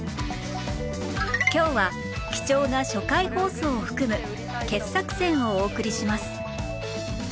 今日は貴重な初回放送を含む傑作選をお送りします裸 ＮＧ。